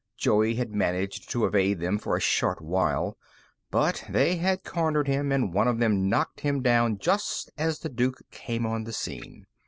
Joey had managed to evade them for a short while, but they had cornered him, and one of them knocked him down just as the Duke came on the scene.